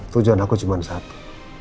tujuan aku cuma satu